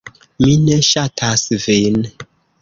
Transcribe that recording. "Mi ne ŝatas vin."